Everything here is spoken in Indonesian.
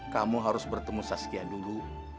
kamu harus bertemu saskia dulu